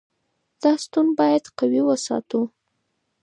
دا ستون باید قوي وساتو.